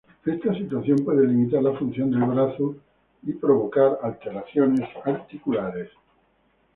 Esta situación puede limitar la función del brazo y provocar alteraciones articulares.